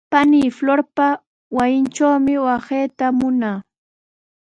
Panii Florpa wasintrawmi kawayta munaa.